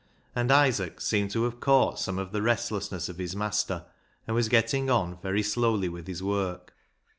And Isaac seemed to have caught some of the restlessness of his master, and was getting on very slowly with his work.